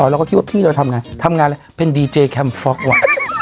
เราก็คิดว่าพี่เราทำไงทำงานอะไรเป็นดีเจแคมฟ็อกว่ะ